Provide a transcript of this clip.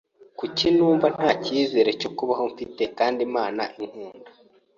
Kuki numva nta cyizere cyo kubaho mfite kandi Imana inkunda